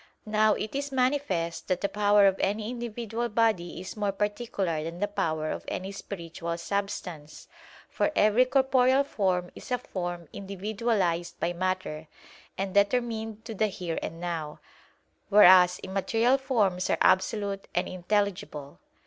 Now it is manifest that the power of any individual body is more particular than the power of any spiritual substance; for every corporeal form is a form individualized by matter, and determined to the "here and now"; whereas immaterial forms are absolute and intelligible.